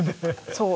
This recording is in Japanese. そう。